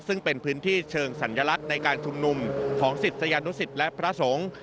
ซึ่งเป็นพื้นที่เชิงสัญลักษณ์ในการชุมนุมของศิษยานุสิตและพระสงฆ์